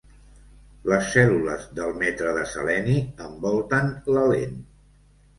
Les cèl·lules del metre de seleni envolten la lent.